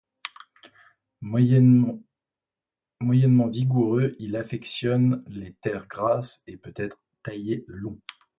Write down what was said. Moyennement vigoureux, il affectionne les terres grasses et peut être taillé long.